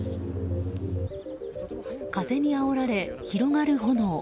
風にあおられ広がる炎。